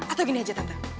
atau gini aja tante